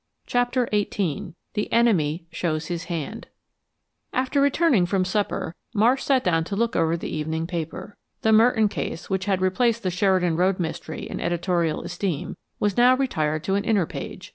CHAPTER XVIII THE ENEMY SHOWS HIS HAND After returning from supper, Marsh sat down to look over the evening paper. The Merton case, which had replaced the Sheridan Road mystery in editorial esteem, was now retired to an inner page.